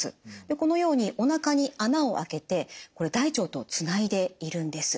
このようにおなかに孔を開けてこれ大腸とつないでいるんです。